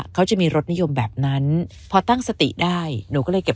เขาจะมีรสนิยมแบบนั้นพอตั้งสติได้หนูก็เลยเก็บ